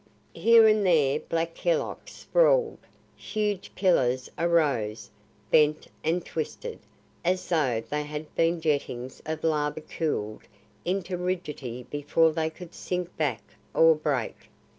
Here and there black hillocks sprawled; huge pillars arose, bent and twisted as though they had been jettings of lava cooled into rigidity before they could sink back or break.